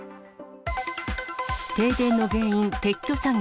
停電の原因、撤去作業。